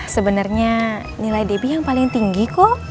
sebenarnya nilai debbie yang paling tinggi kok